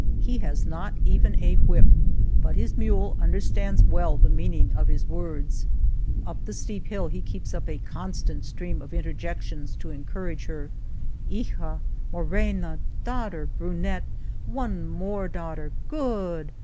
He has not even a whip, but his mule under stands well the mean ing of his words. Up the steep hill, he keeps up a constant stream of interjections to encourage her —'' Hijaf' " Morena /"'' Daughter !"'' Brunette !" *^One more, daughter!" *^Good!"